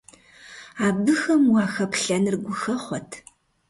Абыхэм уахэплъэныр гухэхъуэт!